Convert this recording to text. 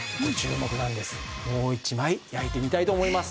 もう１枚焼いてみたいと思います。